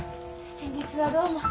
先日はどうも。